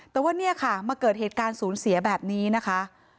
แต่ว่าเนี่ยค่ะมาเกิดเหตุการณ์ศูนย์เสียแบบนี้นะคะ